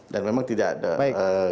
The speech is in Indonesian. dan memang tidak ada